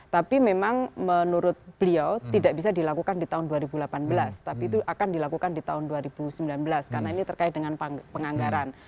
tapi memang menurut beliau tidak bisa dilakukan di tahun dua ribu delapan belas tapi itu akan dilakukan di tahun dua ribu sembilan belas karena ini terkait dengan penganggaran